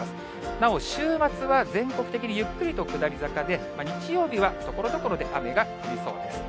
なお、週末は全国的にゆっくりと下り坂で、日曜日はところどころで雨が降りそうです。